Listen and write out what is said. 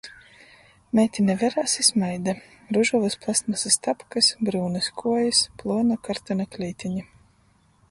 Meitine verās i smaida, ružovys plastmasys tapkys, bryunys kuojis, pluona kartona kleiteņa.